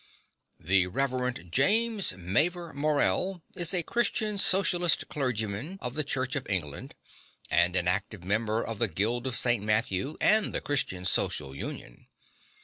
The Reverend James Mavor Morell is a Christian Socialist clergyman of the Church of England, and an active member of the Guild of St. Matthew and the Christian Social Union.